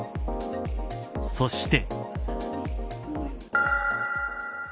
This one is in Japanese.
そして。